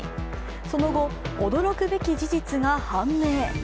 その後、驚くべき事実が判明。